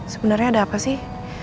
sebenernya ada apa sih